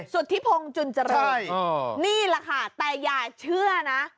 สุธิพงศ์จุนเจริญนี่แหละค่ะแต่อย่าเชื่อนะ